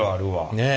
ねえ。